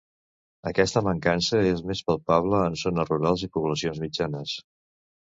Aquesta mancança és més palpable en zones rurals i poblacions mitjanes.